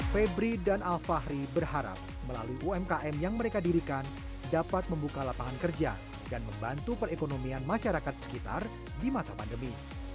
febri dan alfahri berharap melalui umkm yang mereka dirikan dapat membuka lapangan kerja dan membantu perekonomian masyarakat sekitar di masa pandemi